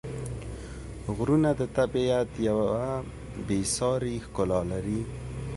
غرونه د طبیعت یوه بېساري ښکلا لري.